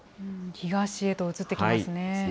東へと移ってきますね。